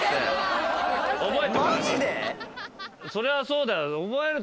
そりゃそうだよ。